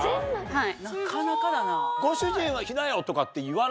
はい。